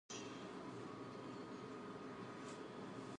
The station will have an arched structure.